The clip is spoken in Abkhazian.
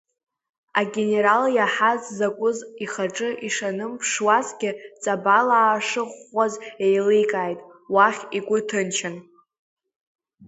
Агенерал иаҳаз закәыз ихаҿы ишанымԥшуазгьы, ҵабалаа шыӷәӷәаз еиликааит, уахь игәы ҭынчын.